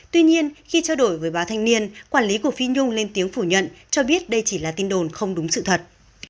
tuy nhiên khi trao đổi với báo thanh niên quản lý của phi nhung lên tiếng phủ nhận cho biết đây chỉ là tin đồn không đúng sự thật